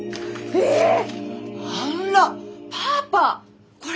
えっ！